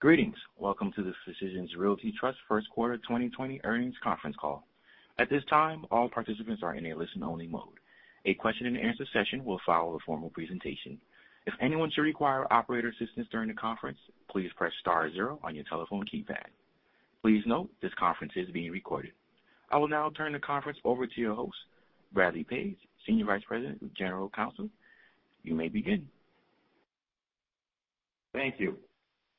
Greetings. Welcome to the Physicians Realty Trust first quarter 2020 earnings conference call. At this time, all participants are in a listen only mode. A question and answer session will follow the formal presentation. If anyone should require operator assistance during the conference, please press star zero on your telephone keypad. Please note this conference is being recorded. I will now turn the conference over to your host, Bradley Page, Senior Vice President and General Counsel. You may begin. Thank you.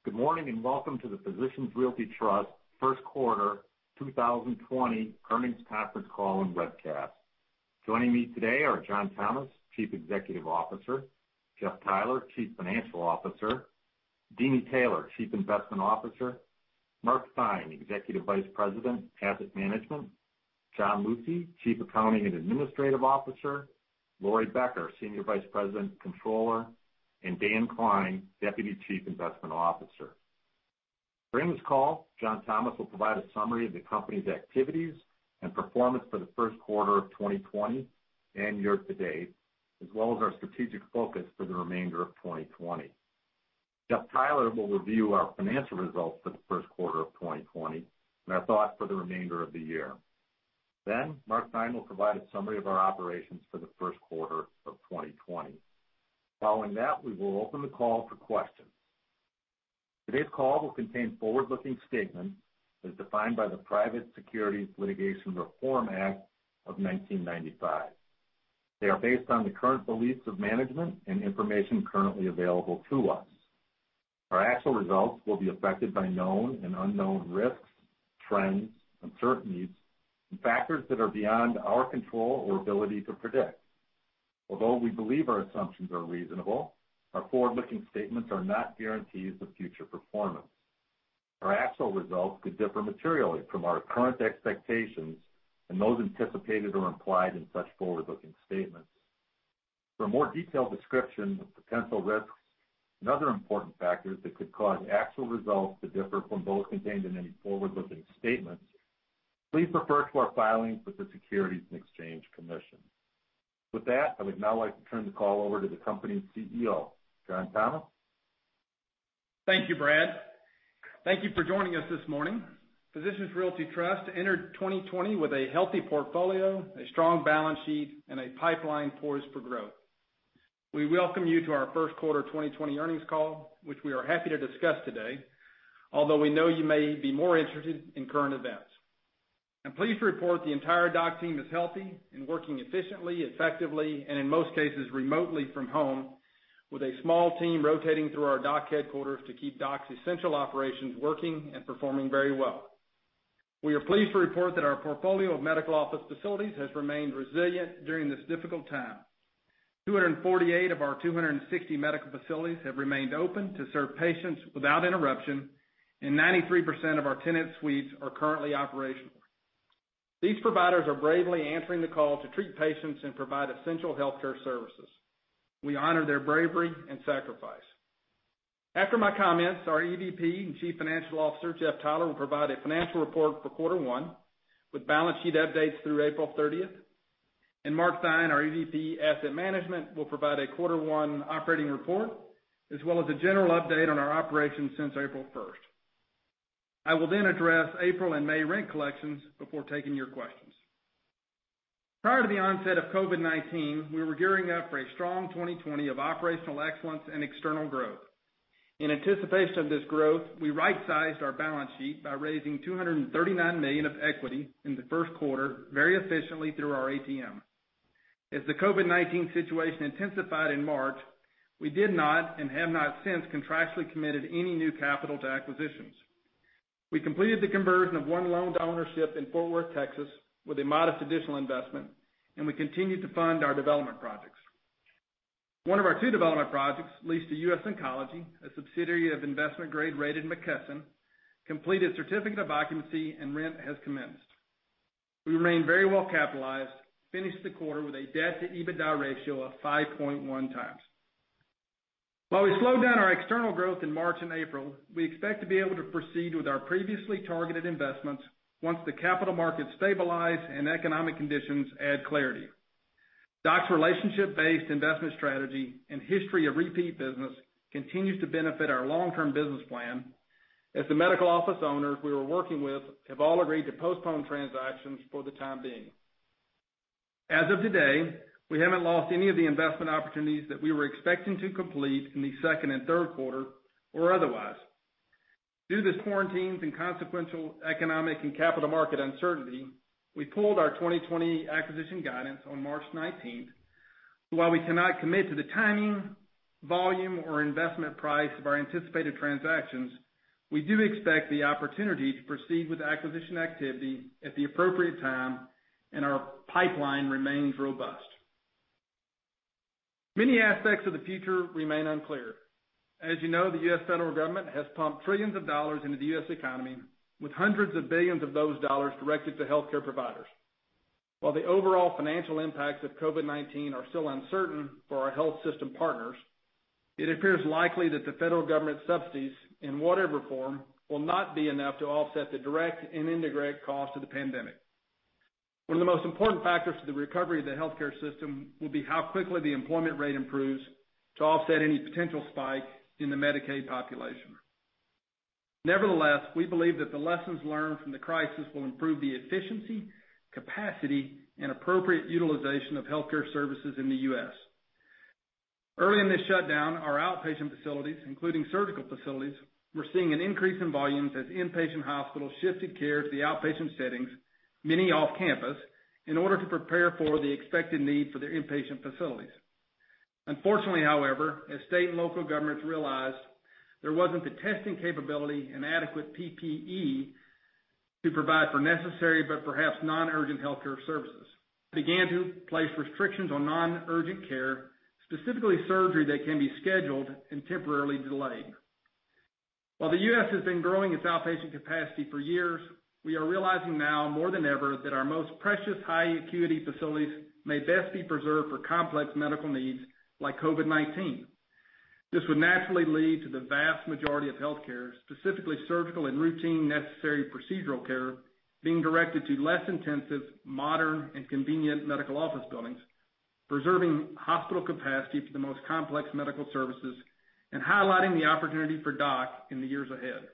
Good morning and welcome to the Physicians Realty Trust first quarter 2020 earnings conference call and webcast. Joining me today are John Thomas, Chief Executive Officer, Jeff Theiler, Chief Financial Officer, Deeni Taylor, Chief Investment Officer, Mark Theine, Executive Vice President, Asset Management, John Lucey, Chief Accounting and Administrative Officer, Laurie Becker, Senior Vice President, Controller, and Dan Klein, Deputy Chief Investment Officer. During this call, John Thomas will provide a summary of the company's activities and performance for the first quarter of 2020 and year to date, as well as our strategic focus for the remainder of 2020. Jeff Theiler will review our financial results for the first quarter of 2020 and our thoughts for the remainder of the year. Mark Theine will provide a summary of our operations for the first quarter of 2020. Following that, we will open the call for questions. Today's call will contain forward-looking statements as defined by the Private Securities Litigation Reform Act of 1995. They are based on the current beliefs of management and information currently available to us. Our actual results will be affected by known and unknown risks, trends, uncertainties, and factors that are beyond our control or ability to predict. Although we believe our assumptions are reasonable, our forward-looking statements are not guarantees of future performance. Our actual results could differ materially from our current expectations and those anticipated or implied in such forward-looking statements. For a more detailed description of potential risks and other important factors that could cause actual results to differ from those contained in any forward-looking statements, please refer to our filings with the Securities and Exchange Commission. With that, I would now like to turn the call over to the company's CEO, John Thomas. Thank you, Bradley. Thank you for joining us this morning. Physicians Realty Trust entered 2020 with a healthy portfolio, a strong balance sheet, and a pipeline poised for growth. We welcome you to our first quarter 2020 earnings call, which we are happy to discuss today, although we know you may be more interested in current events. I'm pleased to report the entire DOC team is healthy and working efficiently, effectively, and in most cases, remotely from home, with a small team rotating through our DOC headquarters to keep DOC's essential operations working and performing very well. We are pleased to report that our portfolio of medical office facilities has remained resilient during this difficult time. 248 of our 260 medical facilities have remained open to serve patients without interruption, and 93% of our tenant suites are currently operational. These providers are bravely answering the call to treat patients and provide essential healthcare services. We honor their bravery and sacrifice. After my comments, our EVP and Chief Financial Officer, Jeff Theiler, will provide a financial report for quarter one with balance sheet updates through April 30th. Mark Theine, our EVP Asset Management, will provide a quarter one operating report as well as a general update on our operations since April 1st. I will then address April and May rent collections before taking your questions. Prior to the onset of COVID-19, we were gearing up for a strong 2020 of operational excellence and external growth. In anticipation of this growth, we right-sized our balance sheet by raising $239 million of equity in the first quarter, very efficiently through our ATM. As the COVID-19 situation intensified in March, we did not, and have not since contractually committed any new capital to acquisitions. We completed the conversion of one loan to ownership in Fort Worth, Texas, with a modest additional investment, and we continued to fund our development projects. One of our two development projects leased to U.S. Oncology, a subsidiary of investment grade-rated McKesson, completed certificate of occupancy and rent has commenced. We remain very well-capitalized, finished the quarter with a debt to EBITDA ratio of 5.1x. While we slowed down our external growth in March and April, we expect to be able to proceed with our previously targeted investments once the capital markets stabilize and economic conditions add clarity. DOC's relationship-based investment strategy and history of repeat business continues to benefit our long-term business plan as the medical office owners we were working with have all agreed to postpone transactions for the time being. As of today, we haven't lost any of the investment opportunities that we were expecting to complete in the second and third quarter or otherwise. Due to quarantines and consequential economic and capital market uncertainty, we pulled our 2020 acquisition guidance on March 19th. While we cannot commit to the timing, volume, or investment price of our anticipated transactions, we do expect the opportunity to proceed with acquisition activity at the appropriate time, and our pipeline remains robust. Many aspects of the future remain unclear. As you know, the U.S. federal government has pumped trillions of dollars into the U.S. economy with hundreds of billions of those dollars directed to healthcare providers. While the overall financial impacts of COVID-19 are still uncertain for our health system partners, it appears likely that the federal government subsidies, in whatever form, will not be enough to offset the direct and indirect costs of the pandemic. One of the most important factors to the recovery of the healthcare system will be how quickly the employment rate improves to offset any potential spike in the Medicaid population. Nevertheless, we believe that the lessons learned from the crisis will improve the efficiency, capacity, and appropriate utilization of healthcare services in the U.S. Early in this shutdown, our outpatient facilities, including surgical facilities, were seeing an increase in volumes as inpatient hospitals shifted care to the outpatient settings, many off-campus, in order to prepare for the expected need for their inpatient facilities. Unfortunately, however, as state and local governments realized, there wasn't the testing capability and adequate PPE to provide for necessary, but perhaps non-urgent healthcare services. Began to place restrictions on non-urgent care, specifically surgery that can be scheduled and temporarily delayed. While the U.S. has been growing its outpatient capacity for years, we are realizing now more than ever that our most precious high acuity facilities may best be preserved for complex medical needs like COVID-19. This would naturally lead to the vast majority of healthcare, specifically surgical and routine necessary procedural care, being directed to less intensive, modern, and convenient medical office buildings, preserving hospital capacity for the most complex medical services and highlighting the opportunity for DOC in the years ahead.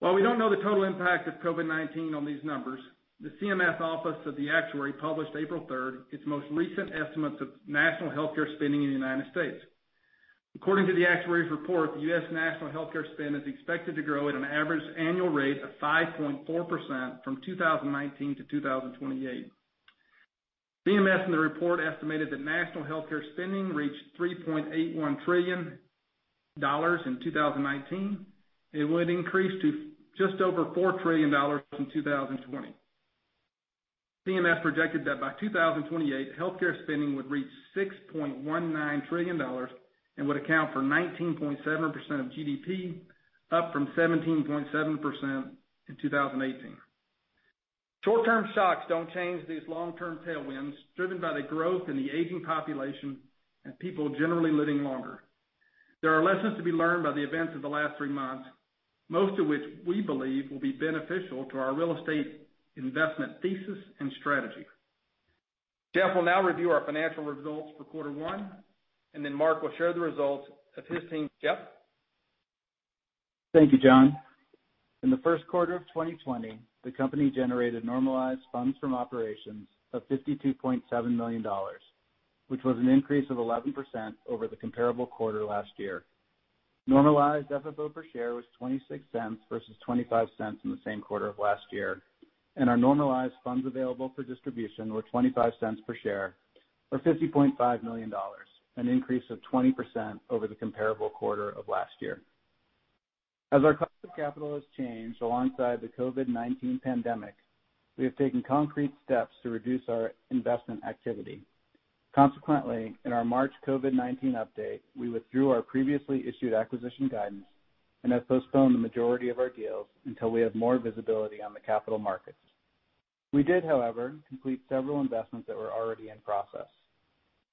While we don't know the total impact of COVID-19 on these numbers, the CMS Office of the Actuary published April 3rd its most recent estimates of national healthcare spending in the United States. According to the Actuary's report, the U.S. national healthcare spend is expected to grow at an average annual rate of 5.4% from 2019 to 2028. CMS in the report estimated that national healthcare spending reached $3.81 trillion in 2019. It would increase to just over $4 trillion in 2020. CMS projected that by 2028, healthcare spending would reach $6.19 trillion and would account for 19.7% of GDP, up from 17.7% in 2018. Short-term shocks don't change these long-term tailwinds driven by the growth in the aging population and people generally living longer. There are lessons to be learned by the events of the last three months, most of which we believe will be beneficial to our real estate investment thesis and strategy. Jeff will now review our financial results for quarter one, and then Mark will share the results of his team. Jeff? Thank you, John. In the first quarter of 2020, the company generated normalized funds from operations of $52.7 million, which was an increase of 11% over the comparable quarter last year. Normalized FFO per share was $0.26 versus $0.25 in the same quarter of last year, and our normalized funds available for distribution were $0.25 per share or $50.5 million, an increase of 20% over the comparable quarter of last year. As our cost of capital has changed alongside the COVID-19 pandemic, we have taken concrete steps to reduce our investment activity. Consequently, in our March COVID-19 update, we withdrew our previously issued acquisition guidance and have postponed the majority of our deals until we have more visibility on the capital markets. We did, however, complete several investments that were already in process.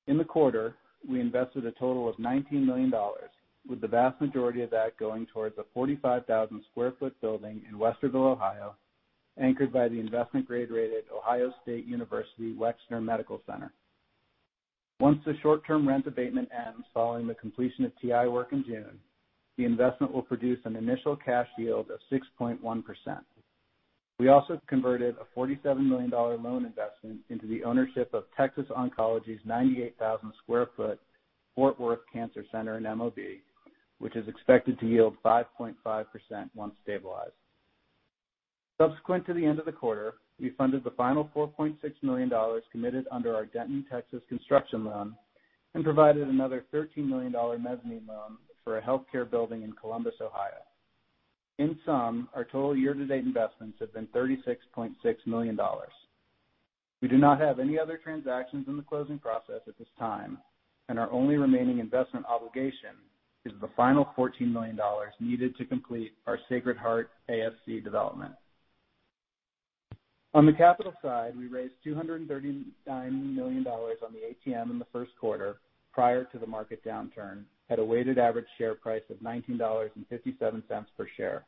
In the quarter, we invested a total of $19 million with the vast majority of that going towards a 45,000 sq ft building in Westerville, Ohio, anchored by the investment grade rated Ohio State University Wexner Medical Center. Once the short-term rent abatement ends following the completion of TI work in June, the investment will produce an initial cash yield of 6.1%. We also converted a $47 million loan investment into the ownership of Texas Oncology's 98,000 sq ft Fort Worth Cancer Center in MOB, which is expected to yield 5.5% once stabilized. Subsequent to the end of the quarter, we funded the final $4.6 million committed under our Denton, Texas construction loan and provided another $13 million mezzanine loan for a healthcare building in Columbus, Ohio. In sum, our total year to date investments have been $36.6 million. We do not have any other transactions in the closing process at this time, and our only remaining investment obligation is the final $14 million needed to complete our Sacred Heart ASC development. On the capital side, we raised $239 million on the ATM in the first quarter prior to the market downturn at a weighted average share price of $19.57 per share.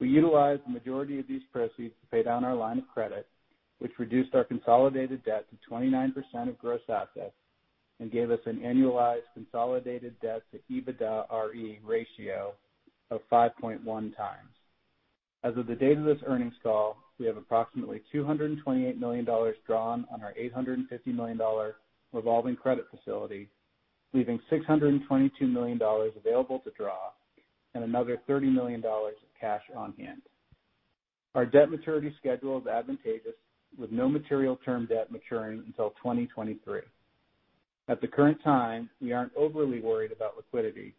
We utilized the majority of these proceeds to pay down our line of credit, which reduced our consolidated debt to 29% of gross assets and gave us an annualized consolidated debt to EBITDA ratio of 5.1x. As of the date of this earnings call, we have approximately $228 million drawn on our $850 million revolving credit facility, leaving $622 million available to draw and another $30 million of cash on hand. Our debt maturity schedule is advantageous, with no material term debt maturing until 2023. At the current time, we aren't overly worried about liquidity,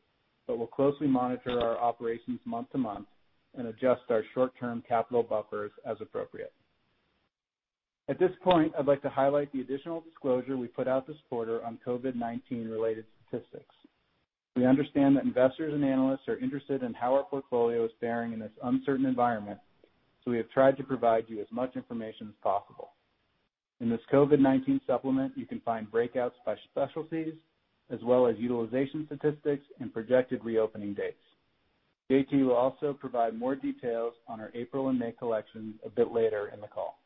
but will closely monitor our operations month-to-month and adjust our short-term capital buffers as appropriate. At this point, I'd like to highlight the additional disclosure we put out this quarter on COVID-19 related statistics. We understand that investors and analysts are interested in how our portfolio is faring in this uncertain environment, we have tried to provide you as much information as possible. In this COVID-19 supplement, you can find breakouts by specialties as well as utilization statistics and projected reopening dates. John Thomas will also provide more details on our April and May collections a bit later in the call.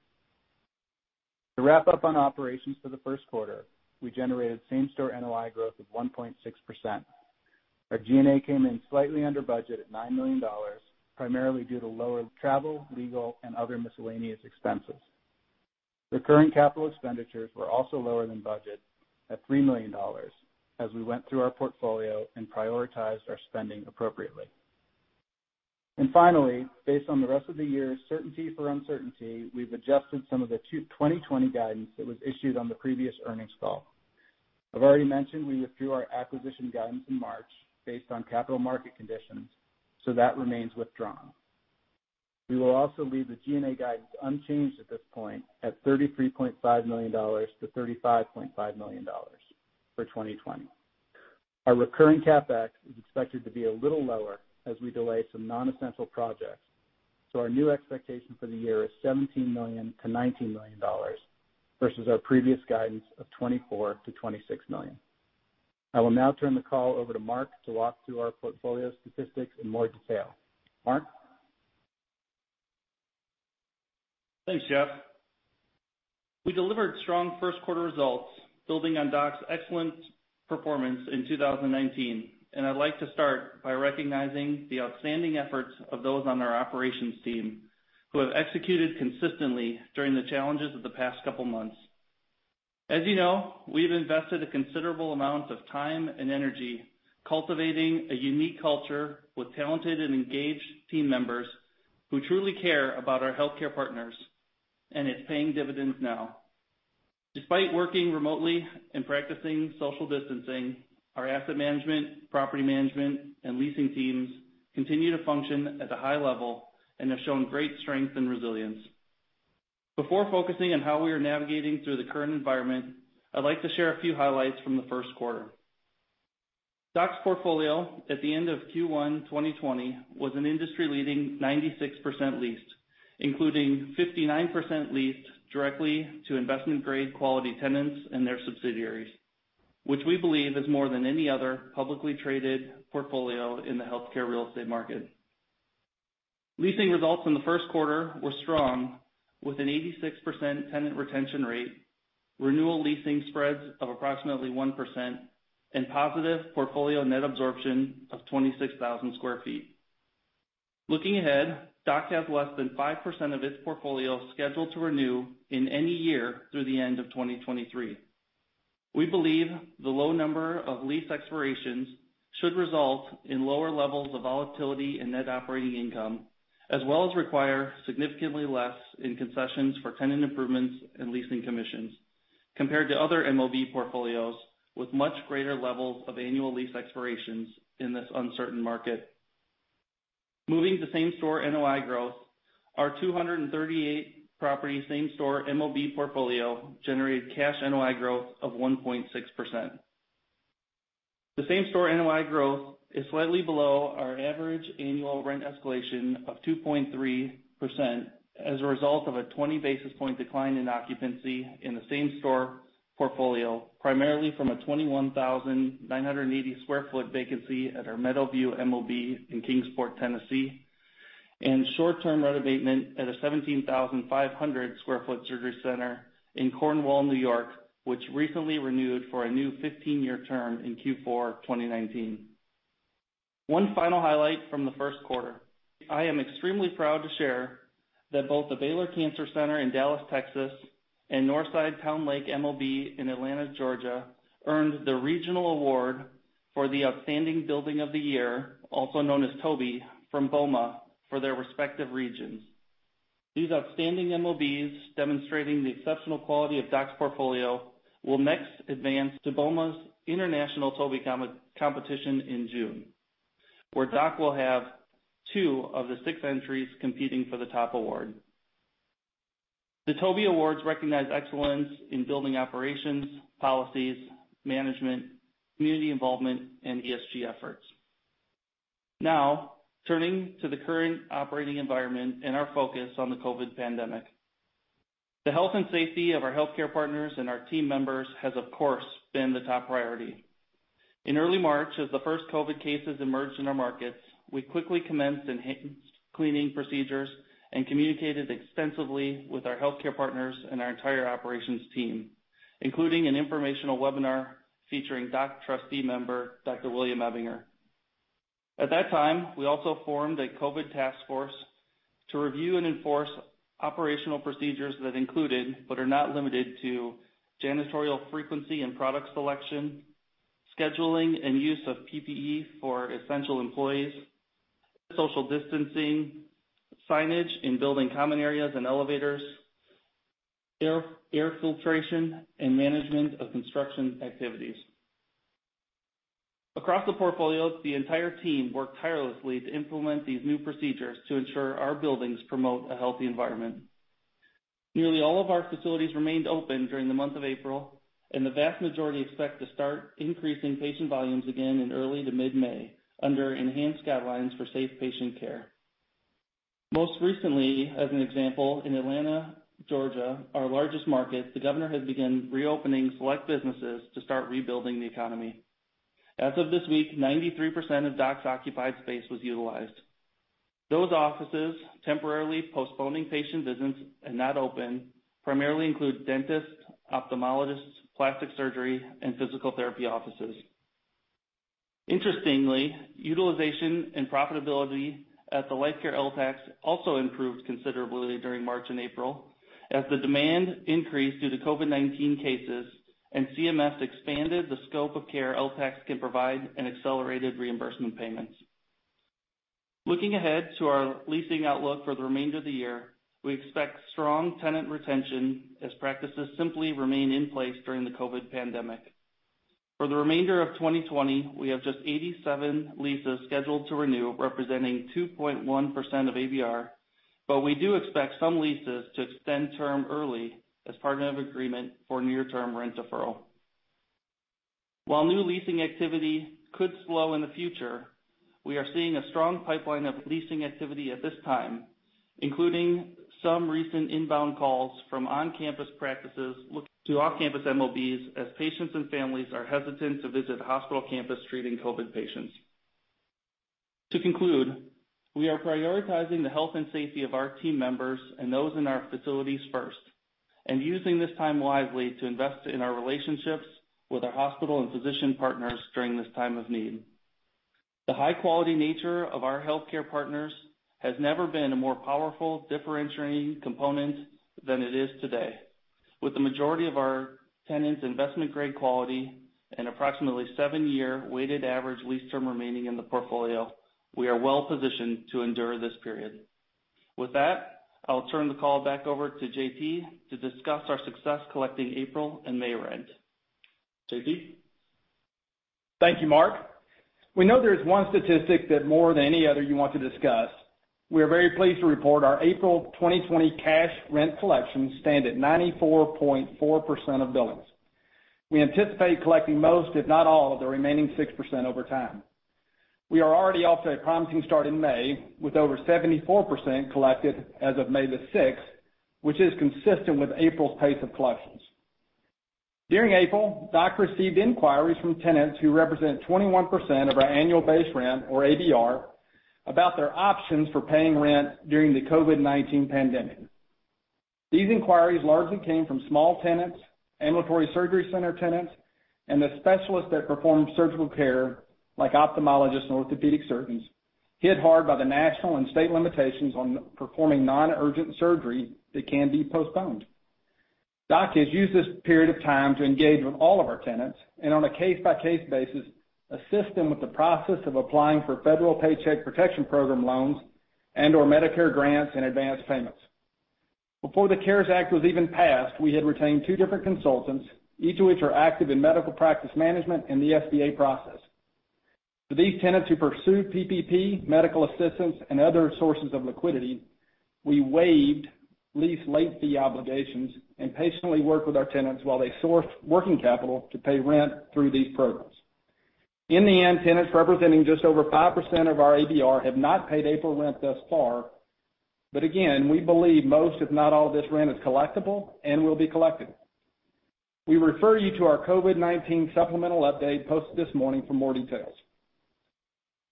To wrap up on operations for the first quarter, we generated same-store NOI growth of 1.6%. Our G&A came in slightly under budget at $9 million, primarily due to lower travel, legal, and other miscellaneous expenses. Recurring capital expenditures were also lower than budget at $3 million, as we went through our portfolio and prioritized our spending appropriately. Finally, based on the rest of the year's certainty for uncertainty, we've adjusted some of the 2020 guidance that was issued on the previous earnings call. I've already mentioned we withdrew our acquisition guidance in March based on capital market conditions, that remains withdrawn. We will also leave the G&A guidance unchanged at this point at $33.5 million to $35.5 million for 2020. Our recurring CapEx is expected to be a little lower as we delay some non-essential projects, our new expectation for the year is $17 million to $19 million versus our previous guidance of $24 million-$26 million. I will now turn the call over to Mark to walk through our portfolio statistics in more detail. Mark? Thanks, Jeff. We delivered strong first-quarter results building on DOC's excellent performance in 2019. I'd like to start by recognizing the outstanding efforts of those on our operations team who have executed consistently during the challenges of the past couple of months. As you know, we've invested a considerable amount of time and energy cultivating a unique culture with talented and engaged team members who truly care about our healthcare partners, and it's paying dividends now. Despite working remotely and practicing social distancing, our asset management, property management, and leasing teams continue to function at a high level and have shown great strength and resilience. Before focusing on how we are navigating through the current environment, I'd like to share a few highlights from the first quarter. DOC's portfolio at the end of Q1 2020 was an industry-leading 96% leased, including 59% leased directly to investment-grade quality tenants and their subsidiaries, which we believe is more than any other publicly traded portfolio in the healthcare real estate market. Leasing results in the first quarter were strong, with an 86% tenant retention rate, renewal leasing spreads of approximately 1%, and positive portfolio net absorption of 26,000 sq ft. Looking ahead, DOC has less than 5% of its portfolio scheduled to renew in any year through the end of 2023. We believe the low number of lease expirations should result in lower levels of volatility in net operating income, as well as require significantly less in concessions for tenant improvements and leasing commissions compared to other MOB portfolios with much greater levels of annual lease expirations in this uncertain market. Moving to same-store NOI growth, our 238-property same-store MOB portfolio generated cash NOI growth of 1.6%. The same-store NOI growth is slightly below our average annual rent escalation of 2.3% as a result of a 20-basis-point decline in occupancy in the same-store portfolio, primarily from a 21,980 sq ft vacancy at our Meadowview MOB in Kingsport, Tennessee, and short-term rent abatement at a 17,500 sq ft surgery center in Cornwall, New York, which recently renewed for a new 15-year term in Q4 2019. One final highlight from the first quarter. I am extremely proud to share that both the Baylor Cancer Center in Dallas, Texas, and Northside/Towne Lake MOB in Atlanta, Georgia, earned the regional award for the Outstanding Building of the Year, also known as TOBY, from BOMA for their respective regions. These outstanding MOBs demonstrating the exceptional quality of DOC's portfolio will next advance to BOMA's international TOBY competition in June, where DOC will have two of the six entries competing for the top award. The TOBY Awards recognize excellence in building operations, policies, management, community involvement, and ESG efforts. Turning to the current operating environment and our focus on the COVID pandemic. The health and safety of our healthcare partners and our team members has, of course, been the top priority. In early March, as the first COVID cases emerged in our markets, we quickly commenced enhanced cleaning procedures and communicated extensively with our healthcare partners and our entire operations team, including an informational webinar featuring DOC trustee member, Dr. William Ebinger. At that time, we also formed a COVID task force to review and enforce operational procedures that included, but are not limited to janitorial frequency and product selection, scheduling and use of PPE for essential employees, social distancing, signage in building common areas and elevators, air filtration, and management of construction activities. Across the portfolio, the entire team worked tirelessly to implement these new procedures to ensure our buildings promote a healthy environment. Nearly all of our facilities remained open during the month of April. The vast majority expect to start increasing patient volumes again in early to mid-May under enhanced guidelines for safe patient care. Most recently, as an example, in Atlanta, Georgia, our largest market, the governor has begun reopening select businesses to start rebuilding the economy. As of this week, 93% of DOC's occupied space was utilized. Those offices temporarily postponing patient visits and not open primarily include dentists, ophthalmologists, plastic surgery, and physical therapy offices. Interestingly, utilization and profitability at the Life Care LTACs also improved considerably during March and April as the demand increased due to COVID-19 cases and CMS expanded the scope of care LTACs can provide and accelerated reimbursement payments. Looking ahead to our leasing outlook for the remainder of the year, we expect strong tenant retention as practices simply remain in place during the COVID pandemic. For the remainder of 2020, we have just 87 leases scheduled to renew, representing 2.1% of ABR, but we do expect some leases to extend term early as part of an agreement for near-term rent deferral. While new leasing activity could slow in the future, we are seeing a strong pipeline of leasing activity at this time, including some recent inbound calls from on-campus practices looking to off-campus MOB as patients and families are hesitant to visit hospital campus treating COVID patients. To conclude, we are prioritizing the health and safety of our team members and those in our facilities first and using this time wisely to invest in our relationships with our hospital and physician partners during this time of need. The high-quality nature of our healthcare partners has never been a more powerful differentiating component than it is today. With the majority of our tenants' investment-grade quality and approximately seven-year weighted average lease term remaining in the portfolio, we are well positioned to endure this period. With that, I'll turn the call back over to John Thomas to discuss our success collecting April and May rent. John Thomas? Thank you, Mark. We know there is one statistic that more than any other you want to discuss. We are very pleased to report our April 2020 cash rent collections stand at 94.4% of billings. We anticipate collecting most, if not all, of the remaining 6% over time. We are already off to a promising start in May, with over 74% collected as of May 6th, which is consistent with April's pace of collections. During April, DOC received inquiries from tenants who represent 21% of our annual base rent or ABR about their options for paying rent during the COVID-19 pandemic. These inquiries largely came from small tenants, ambulatory surgery center tenants, and the specialists that perform surgical care, like ophthalmologists and orthopedic surgeons, hit hard by the national and state limitations on performing non-urgent surgery that can be postponed. DOC has used this period of time to engage with all of our tenants and on a case-by-case basis, assist them with the process of applying for federal Paycheck Protection Program loans and/or Medicare grants and advance payments. Before the CARES Act was even passed, we had retained two different consultants, each of which are active in medical practice management and the SBA process. For these tenants who pursue PPP, medical assistance, and other sources of liquidity, we waived lease late fee obligations and patiently worked with our tenants while they sourced working capital to pay rent through these programs. In the end, tenants representing just over 5% of our ABR have not paid April rent thus far. Again, we believe most, if not all, of this rent is collectible and will be collected. We refer you to our COVID-19 supplemental update posted this morning for more details.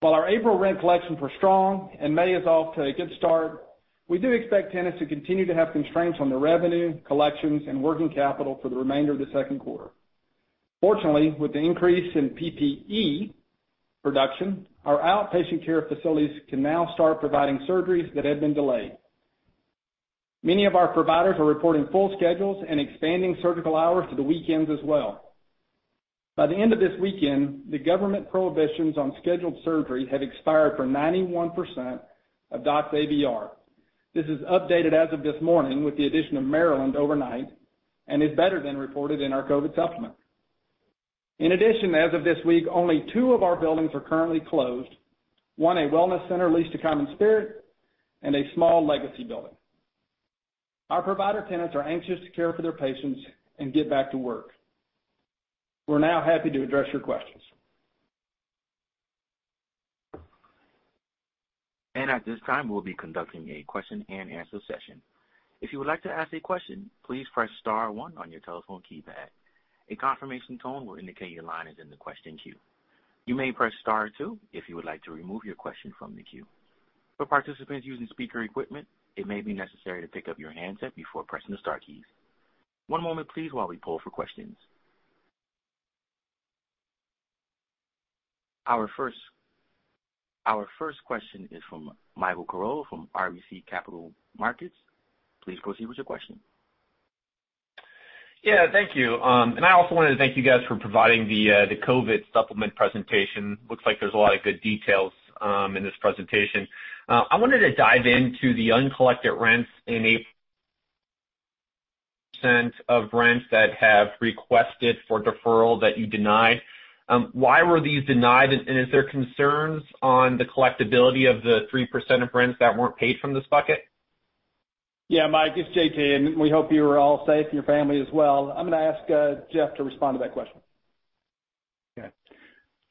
While our April rent collections were strong and May is off to a good start, we do expect tenants to continue to have constraints on their revenue, collections, and working capital for the remainder of the second quarter. Fortunately, with the increase in PPE production, our outpatient care facilities can now start providing surgeries that had been delayed. Many of our providers are reporting full schedules and expanding surgical hours to the weekends as well. By the end of this weekend, the government prohibitions on scheduled surgery have expired for 91% of DOC's ABR. This is updated as of this morning with the addition of Maryland overnight and is better than reported in our COVID supplement. In addition, as of this week, only two of our buildings are currently closed, one a wellness center leased to CommonSpirit Health, and a small legacy building. Our provider tenants are anxious to care for their patients and get back to work. We're now happy to address your questions. At this time, we'll be conducting a question-and-answer session. If you would like to ask a question, please press star one on your telephone keypad. A confirmation tone will indicate your line is in the question queue. You may press star two if you would like to remove your question from the queue. For participants using speaker equipment, it may be necessary to pick up your handset before pressing the star keys. One moment please while we poll for questions. Our first question is from Michael Carroll from RBC Capital Markets. Please proceed with your question. Yeah, thank you. I also wanted to thank you guys for providing the COVID supplement presentation. Looks like there's a lot of good details in this presentation. I wanted to dive into the uncollected rents in April. Percentage of rents that have requested for deferral that you denied. Why were these denied, and is there concerns on the collectibility of the 3% of rents that weren't paid from this bucket? Yeah, Michael, it's John Thomas, and we hope you are all safe and your family as well. I'm going to ask Jeff to respond to that question.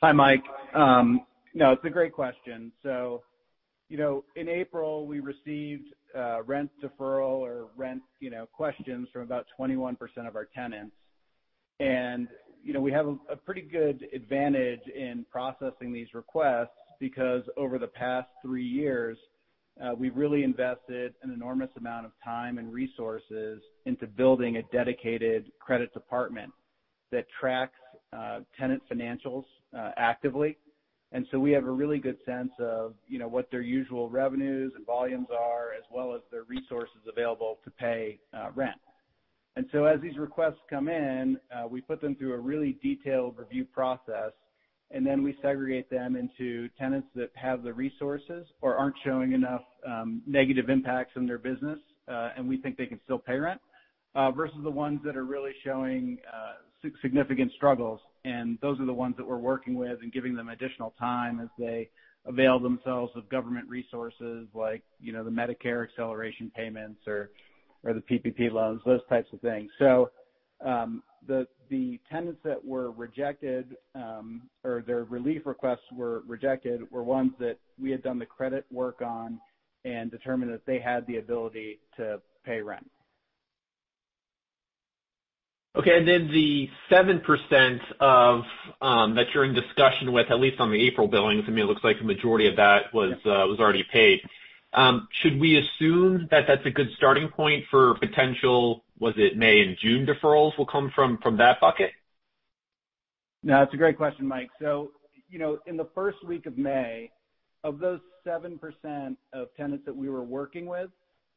Hi, Michael. No, it's a great question. In April, we received rent deferral or rent questions from about 21% of our tenants. We have a pretty good advantage in processing these requests because over the past three years, we've really invested an enormous amount of time and resources into building a dedicated credit department that tracks tenant financials actively. We have a really good sense of what their usual revenues and volumes are, as well as their resources available to pay rent. As these requests come in, we put them through a really detailed review process, and then we segregate them into tenants that have the resources or aren't showing enough negative impacts in their business, and we think they can still pay rent, versus the ones that are really showing significant struggles. Those are the ones that we're working with and giving them additional time as they avail themselves of government resources like the Medicare acceleration payments or the PPP loans, those types of things. The tenants that were rejected, or their relief requests were rejected, were ones that we had done the credit work on and determined that they had the ability to pay rent. Okay. The 7% that you're in discussion with, at least on the April billings, I mean, it looks like the majority of that was already paid. Should we assume that that's a good starting point for potential, was it May and June deferrals will come from that bucket? It's a great question, Mike. In the first week of May, of those 7% of tenants that we were working with,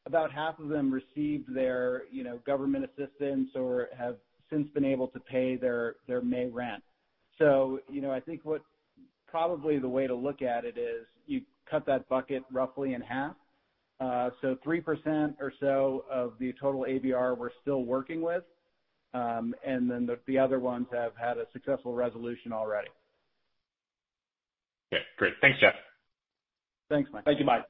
about half of them received their government assistance or have since been able to pay their May rent. I think what probably the way to look at it is you cut that bucket roughly in half. 3% or so of the total ABR we're still working with, and then the other ones have had a successful resolution already. Okay, great. Thanks, Jeff. Thanks, Michael. Thank you, Michael.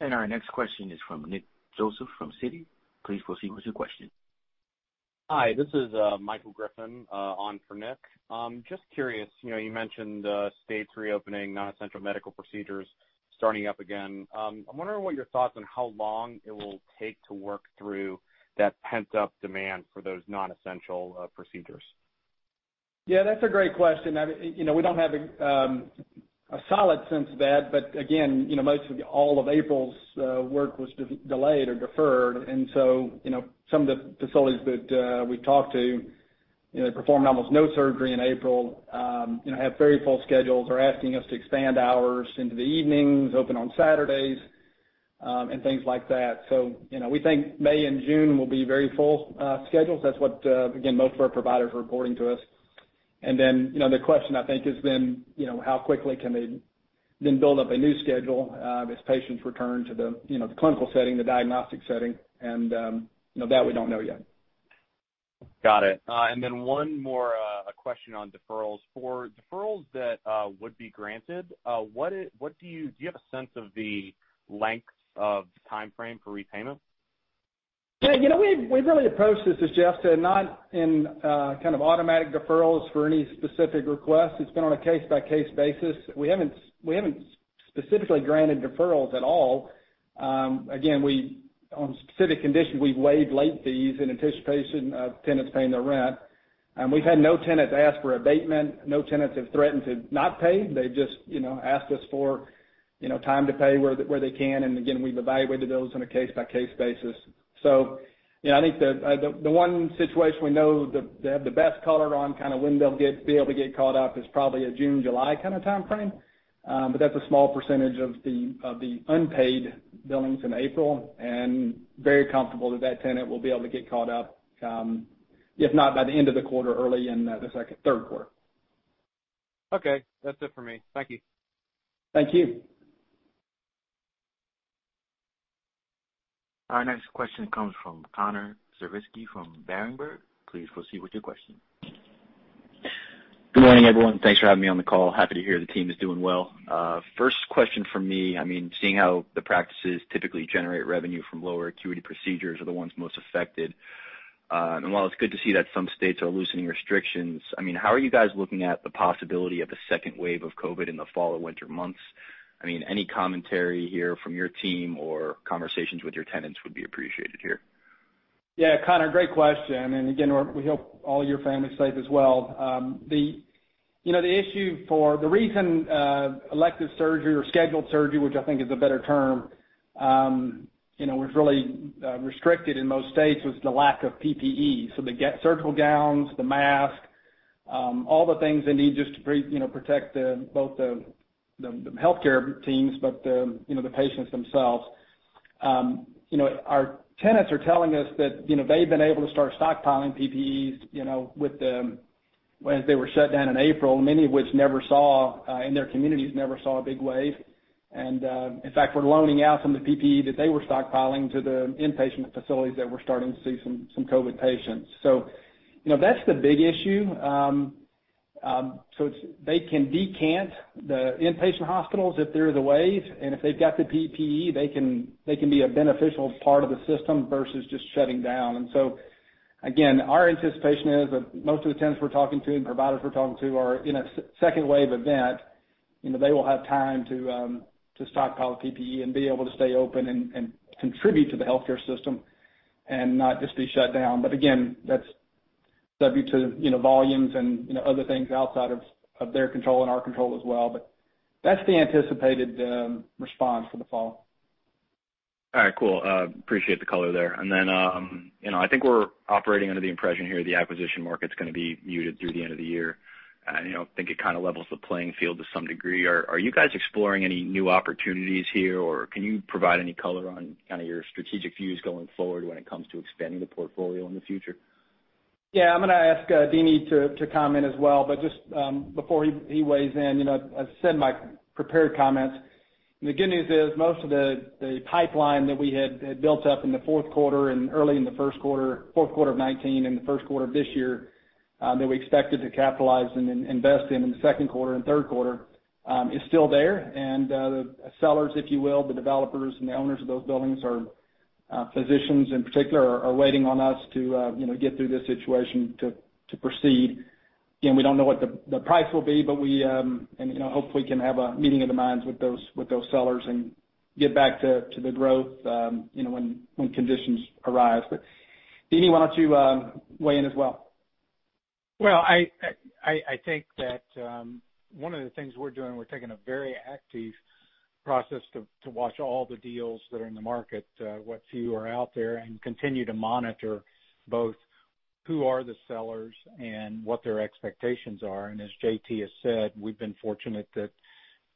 Our next question is from Nick Joseph from Citi. Please proceed with your question. Hi, this is Michael Griffin on for Nick. Just curious, you mentioned states reopening, non-essential medical procedures starting up again. I'm wondering what your thoughts on how long it will take to work through that pent-up demand for those non-essential procedures. Yeah, that's a great question. We don't have a solid sense of that. Again, most of all of April's work was delayed or deferred. Some of the facilities that we've talked to performed almost no surgery in April, have very full schedules, are asking us to expand hours into the evenings, open on Saturdays, and things like that. We think May and June will be very full schedules. That's what, again, most of our providers are reporting to us. The question I think is then how quickly can they then build up a new schedule as patients return to the clinical setting, the diagnostic setting, and that we don't know yet. Got it. Then one more question on deferrals. For deferrals that would be granted, do you have a sense of the length of timeframe for repayment? Yeah. We've really approached this, as Jeff said, not in kind of automatic deferrals for any specific request. It's been on a case-by-case basis. We haven't specifically granted deferrals at all. On specific conditions, we've waived late fees in anticipation of tenants paying their rent. We've had no tenants ask for abatement. No tenants have threatened to not pay. They've just asked us for time to pay where they can. Again, we've evaluated those on a case-by-case basis. I think the one situation we know to have the best color on kind of when they'll be able to get caught up is probably a June, July kind of timeframe. That's a small percentage of the unpaid billings in April. Very comfortable that that tenant will be able to get caught up, if not by the end of the quarter, early in the third quarter. Okay, that's it for me. Thank you. Thank you. Our next question comes from Connor Siversky from Berenberg. Please proceed with your question. Good morning, everyone. Thanks for having me on the call. Happy to hear the team is doing well. First question from me, I mean, seeing how the practices typically generate revenue from lower acuity procedures are the ones most affected. While it's good to see that some states are loosening restrictions, how are you guys looking at the possibility of a second wave of COVID in the fall or winter months? Any commentary here from your team or conversations with your tenants would be appreciated here. Yeah, Connor, great question. Again, we hope all your family's safe as well. The reason elective surgery or scheduled surgery, which I think is a better term, was really restricted in most states was the lack of PPE. The surgical gowns, the mask, all the things they need just to protect both the healthcare teams, but the patients themselves. Our tenants are telling us that they've been able to start stockpiling PPE as they were shut down in April, many of which never saw in their communities, never saw a big wave. In fact, we're loaning out some of the PPE that they were stockpiling to the inpatient facilities that were starting to see some COVID patients. That's the big issue. They can decant the inpatient hospitals if there is a wave, and if they've got the PPE, they can be a beneficial part of the system versus just shutting down. Again, our anticipation is that most of the tenants we're talking to and providers we're talking to are in a second wave event. They will have time to stockpile the PPE and be able to stay open and contribute to the healthcare system and not just be shut down. Again, that's subject to volumes and other things outside of their control and our control as well, but that's the anticipated response for the fall. All right, cool. Appreciate the color there. I think we're operating under the impression here the acquisition market's going to be muted through the end of the year. I think it kind of levels the playing field to some degree. Are you guys exploring any new opportunities here, or can you provide any color on kind of your strategic views going forward when it comes to expanding the portfolio in the future? Yeah, I'm going to ask Deeni to comment as well, but just before he weighs in, I said my prepared comments. The good news is most of the pipeline that we had built up in the fourth quarter and early in the first quarter, fourth quarter of 2019, and the first quarter of this year, that we expected to capitalize and invest in the second quarter and third quarter, is still there. The sellers, if you will, the developers and the owners of those buildings are physicians, in particular, are waiting on us to get through this situation to proceed. Again, we don't know what the price will be, and hopefully we can have a meeting of the minds with those sellers and get back to the growth when conditions arise. Deeni, why don't you weigh in as well? Well, I think that one of the things we're doing, we're taking a very active process to watch all the deals that are in the market, what few are out there, and continue to monitor both who are the sellers and what their expectations are. As John Thomas has said, we've been fortunate that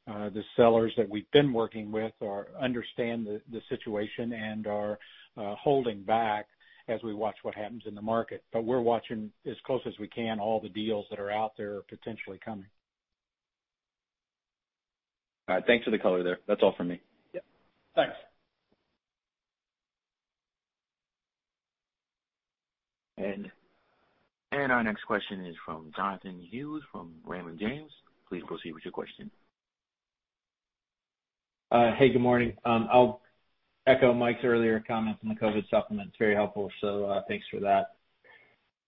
the sellers that we've been working with understand the situation and are holding back as we watch what happens in the market. We're watching as close as we can, all the deals that are out there or potentially coming. All right. Thanks for the color there. That's all from me. Yeah. Thanks. Our next question is from Jonathan Hughes from Raymond James. Please proceed with your question. Hey, good morning. I'll echo Mike's earlier comments on the COVID supplement. It's very helpful, so thanks for that.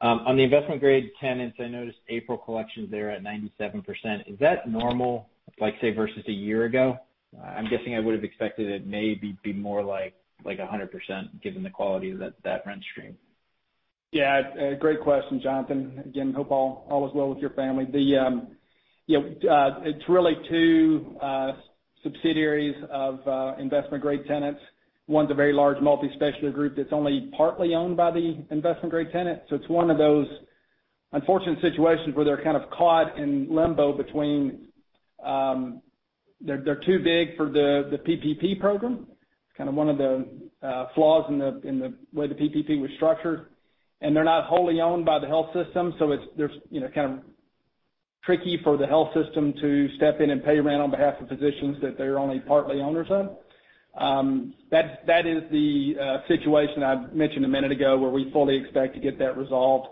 On the investment-grade tenants, I noticed April collections there at 97%. Is that normal, like, say, versus a year ago? I'm guessing I would've expected it maybe be more like 100%, given the quality of that rent stream. Yeah. Great question, Jonathan. Again, hope all is well with your family. It's really two subsidiaries of investment-grade tenants. One's a very large multi-specialty group that's only partly owned by the investment-grade tenant. It's one of those unfortunate situations where they're kind of caught in limbo between, they're too big for the PPP program. It's kind of one of the flaws in the way the PPP was structured, and they're not wholly owned by the health system, so it's kind of tricky for the health system to step in and pay rent on behalf of physicians that they're only partly owners of. That is the situation I mentioned a minute ago, where we fully expect to get that resolved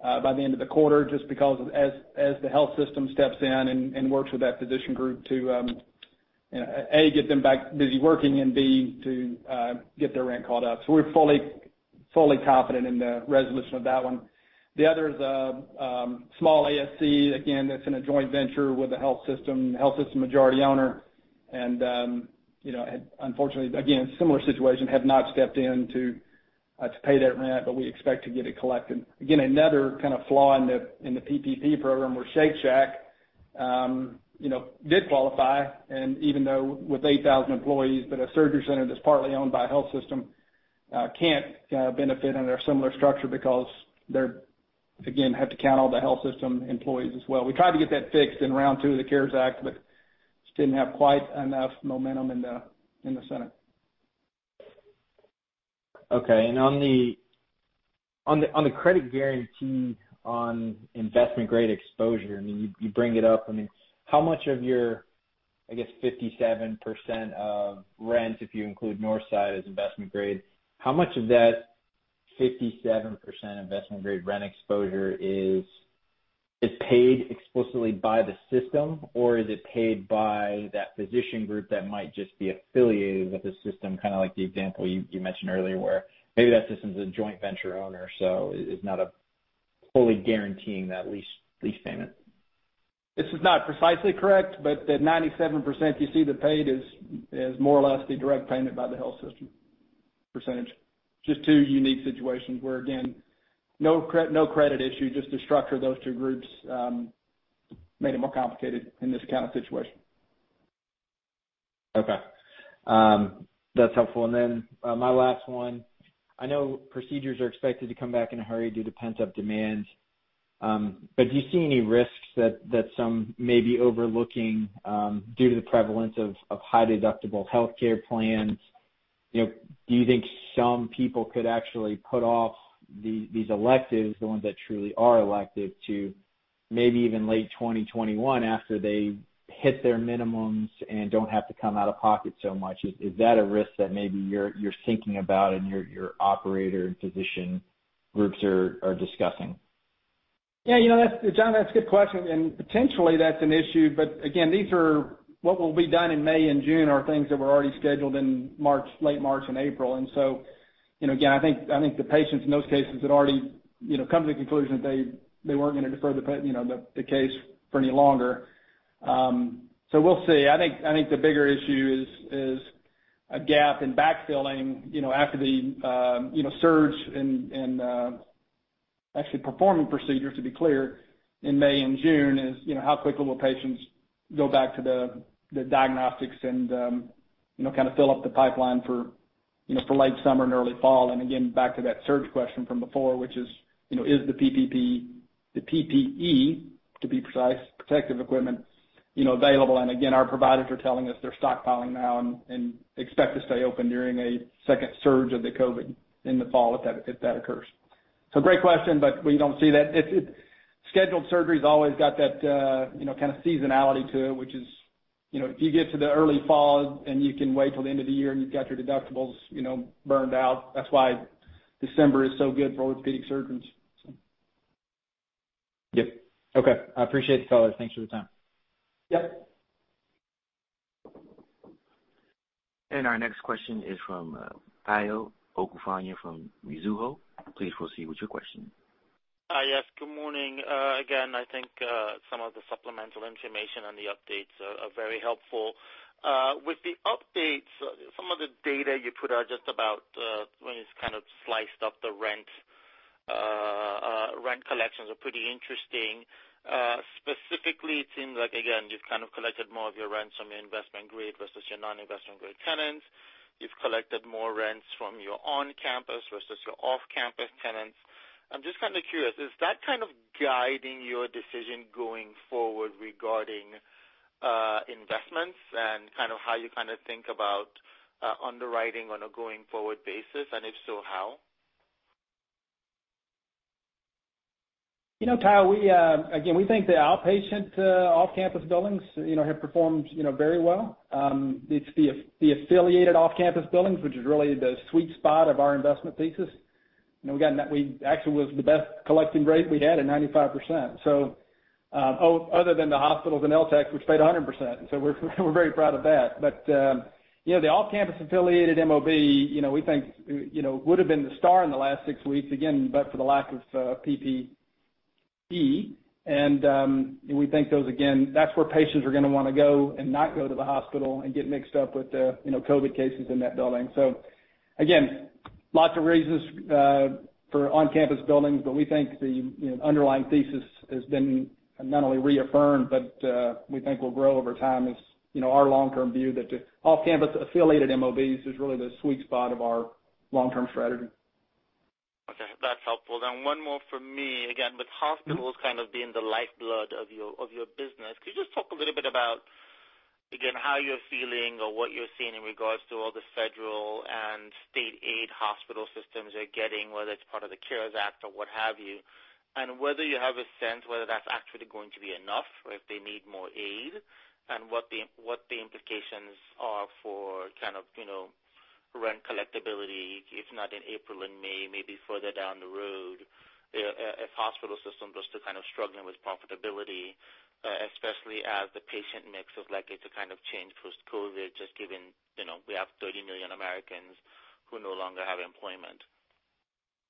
by the end of the quarter, just because as the health system steps in and works with that physician group to, A, get them back busy working and B, to get their rent caught up. We're fully confident in the resolution of that one. The other is a small ASC, again, that's in a joint venture with the health system, health system majority owner, and unfortunately, again, similar situation, have not stepped in to pay that rent, but we expect to get it collected. Again, another kind of flaw in the PPP Program where Shake Shack did qualify, and even though with 8,000 employees, a surgery center that's partly owned by a health system can't benefit under a similar structure because they, again, have to count all the health system employees as well. We tried to get that fixed in round two of the CARES Act, but just didn't have quite enough momentum in the Senate. Okay. On the credit guarantee on investment-grade exposure, you bring it up. How much of your, I guess 57% of rent, if you include Northside as investment grade, how much of that 57% investment-grade rent exposure is paid explicitly by the system? Or is it paid by that physician group that might just be affiliated with the system, kind of like the example you mentioned earlier, where maybe that system's a joint venture owner, so it's not fully guaranteeing that lease payment? This is not precisely correct, but the 97% you see that's paid is more or less the direct payment by the health system percentage. Just two unique situations where, again, no credit issue, just the structure of those two groups made it more complicated in this kind of situation. Okay. That's helpful. My last one. I know procedures are expected to come back in a hurry due to pent-up demand, but do you see any risks that some may be overlooking due to the prevalence of high-deductible healthcare plans? Do you think some people could actually put off these electives, the ones that truly are elective, to maybe even late 2021 after they hit their minimums and don't have to come out of pocket so much. Is that a risk that maybe you're thinking about and your operator and physician groups are discussing? Yeah, John, that's a good question. Potentially that's an issue. Again, these are what will be done in May and June are things that were already scheduled in March, late March, and April. Again, I think the patients in those cases had already come to the conclusion that they weren't going to defer the case for any longer. We'll see. I think the bigger issue is a gap in backfilling after the surge in actually performing procedures, to be clear, in May and June is how quickly will patients go back to the diagnostics and kind of fill up the pipeline for late summer and early fall. Again, back to that surge question from before, which is the PPE, to be precise, protective equipment available? Again, our providers are telling us they're stockpiling now and expect to stay open during a second surge of the COVID-19 in the fall, if that occurs. Great question, but we don't see that. Scheduled surgery's always got that kind of seasonality to it, which is, if you get to the early fall and you can wait till the end of the year, and you've got your deductibles burned out, that's why December is so good for orthopedic surgeons. Yep. Okay. I appreciate it, fellas. Thanks for the time. Yep. Our next question is from Tayo Okusanya from Mizuho. Please proceed with your question. I think some of the supplemental information on the updates are very helpful. With the updates, some of the data you put out just about when you kind of sliced up the rent collections are pretty interesting. It seems like you've kind of collected more of your rents from your investment grade versus your non-investment grade tenants. You've collected more rents from your on-campus versus your off-campus tenants. I'm just kind of curious, is that kind of guiding your decision going forward regarding investments and kind of how you kind of think about underwriting on a going forward basis, and if so, how? Tayo, again, we think the outpatient off-campus buildings have performed very well. It's the affiliated off-campus buildings, which is really the sweet spot of our investment thesis. Again, that actually was the best collecting rate we had at 95%. Other than the hospitals and LTACs, which paid 100%. We're very proud of that. The off-campus affiliated MOB, we think would've been the star in the last six weeks again, but for the lack of PPE, and we think those, again, that's where patients are going to want to go and not go to the hospital and get mixed up with COVID cases in that building. Again, lots of reasons for on-campus buildings, but we think the underlying thesis has been not only reaffirmed, but we think will grow over time as our long-term view that the off-campus affiliated MOBs is really the sweet spot of our long-term strategy. Okay, that's helpful. One more from me. Again, with hospitals kind of being the lifeblood of your business, could you just talk a little bit about, again, how you're feeling or what you're seeing in regards to all the federal and state aid hospital systems are getting, whether it's part of the CARES Act or what have you. Whether you have a sense whether that's actually going to be enough, or if they need more aid, and what the implications are for kind of rent collectability, if not in April and May, maybe further down the road, if hospital systems are still kind of struggling with profitability, especially as the patient mix is likely to kind of change post-COVID, just given we have 30 million Americans who no longer have employment.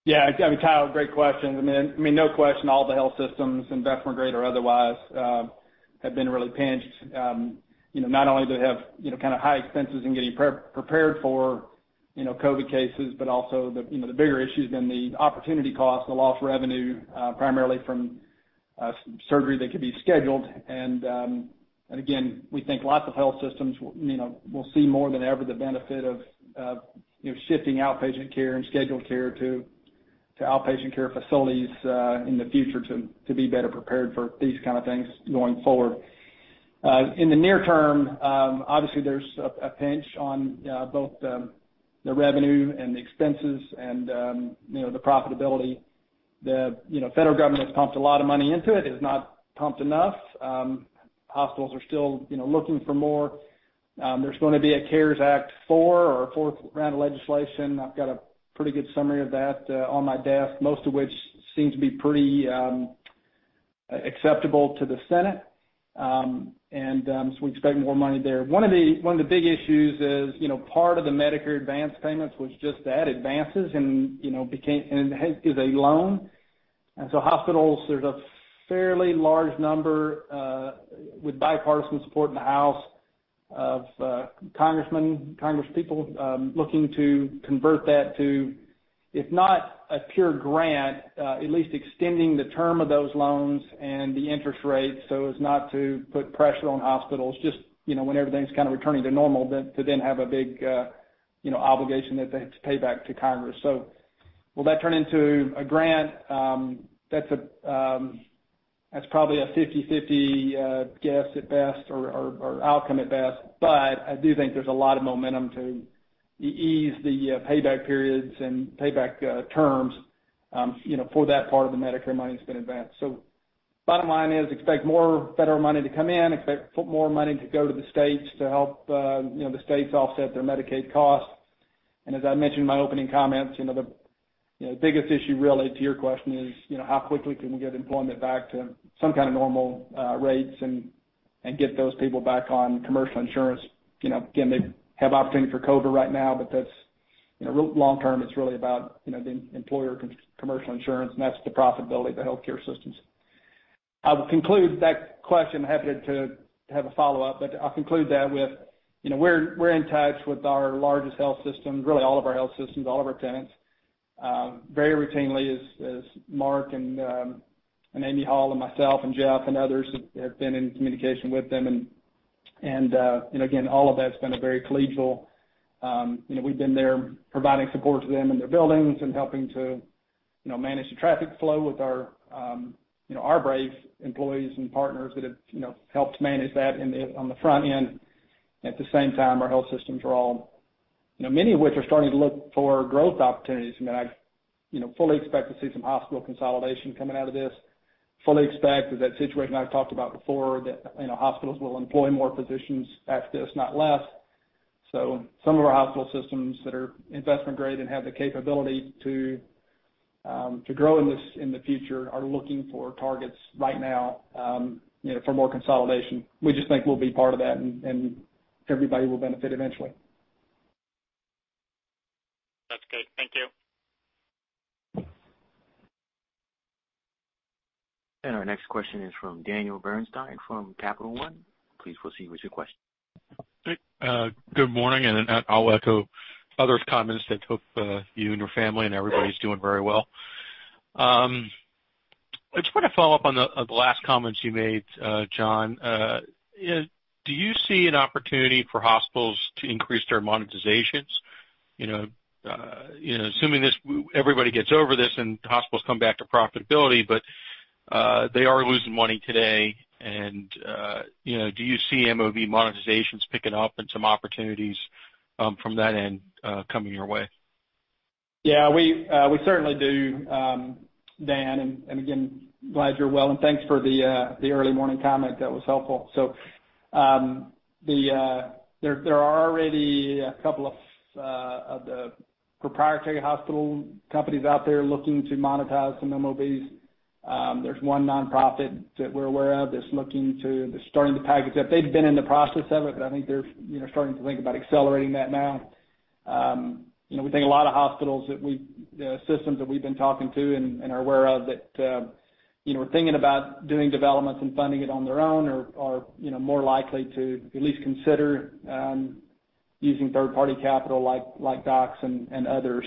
Yeah. Tayo, great question. No question, all the health systems, investment grade or otherwise, have been really pinched. Not only do they have kind of high expenses in getting prepared for COVID cases, but also the bigger issue has been the opportunity cost, the lost revenue, primarily from surgery that could be scheduled. Again, we think lots of health systems will see more than ever the benefit of shifting outpatient care and scheduled care to outpatient care facilities in the future to be better prepared for these kind of things going forward. In the near term, obviously, there's a pinch on both the revenue and the expenses and the profitability. The federal government has pumped a lot of money into it. It has not pumped enough. Hospitals are still looking for more. There's going to be a CARES Act 4 or a fourth round of legislation. I've got a pretty good summary of that on my desk, most of which seems to be pretty acceptable to the Senate. We expect more money there. One of the big issues is part of the Medicare advance payments was just that, advances, and is a loan. Hospitals, there's a fairly large number, with bipartisan support in the House of Congresspeople, looking to convert that to, if not a pure grant, at least extending the term of those loans and the interest rates so as not to put pressure on hospitals. Just when everything's kind of returning to normal, to then have a big obligation that they have to pay back to Congress. Will that turn into a grant? That's probably a 50/50 guess at best or outcome at best. I do think there's a lot of momentum to ease the payback periods and payback terms for that part of the Medicare money that's been advanced. Bottom line is expect more federal money to come in, expect more money to go to the states to help the states offset their Medicaid costs. As I mentioned in my opening comments, the biggest issue really to your question is, how quickly can we get employment back to some kind of normal rates and get those people back on commercial insurance. Again, they have opportunity for COBRA right now, but long term, it's really about the employer commercial insurance, and that's the profitability of the healthcare systems. I will conclude that question. Happy to have a follow-up. I'll conclude that with, we're in touch with our largest health systems, really all of our health systems, all of our tenants, very routinely as Mark and Amy Hall and myself and Jeff and others have been in communication with them. Again, all of that's been very collegial. We've been there providing support to them in their buildings and helping to manage the traffic flow with our brave employees and partners that have helped manage that on the front end. At the same time, our health systems are all, many of which are starting to look for growth opportunities. I fully expect to see some hospital consolidation coming out of this, fully expect that situation I've talked about before, that hospitals will employ more physicians after this, not less. Some of our hospital systems that are investment-grade and have the capability to grow in the future are looking for targets right now for more consolidation. We just think we'll be part of that, and everybody will benefit eventually. That's good. Thank you. Our next question is from Daniel Bernstein from Capital One. Please proceed with your question. Good morning, I'll echo others' comments that hope you and your family and everybody's doing very well. I just want to follow up on the last comments you made, John. Do you see an opportunity for hospitals to increase their monetizations? Assuming everybody gets over this and hospitals come back to profitability. They are losing money today, and do you see MOB monetizations picking up and some opportunities from that end coming your way? Yeah, we certainly do, Daniel, and again, glad you're well, and thanks for the early morning comment. That was helpful. There are already a couple of the proprietary hospital companies out there looking to monetize some MOBs. There's one nonprofit that we're aware of that's looking to starting to package up. They've been in the process of it, but I think they're starting to think about accelerating that now. We think a lot of hospitals that systems that we've been talking to and are aware of that are thinking about doing developments and funding it on their own are more likely to at least consider using third-party capital like DOCs and others.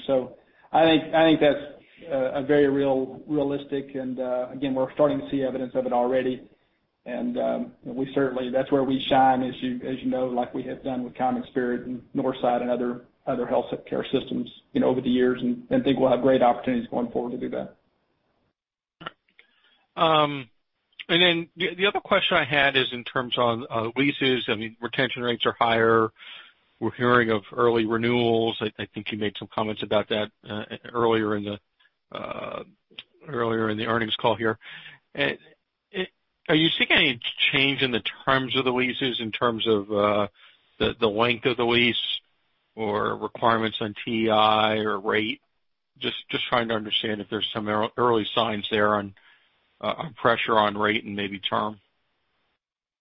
I think that's very realistic, and again, we're starting to see evidence of it already. That's where we shine, as you know, like we have done with CommonSpirit and Northside and other healthcare systems over the years, and think we'll have great opportunities going forward to do that. The other question I had is in terms of leases. Retention rates are higher. We're hearing of early renewals. I think you made some comments about that earlier in the earnings call here. Are you seeing any change in the terms of the leases in terms of the length of the lease or requirements on TI or rate? Just trying to understand if there's some early signs there on pressure on rate and maybe term.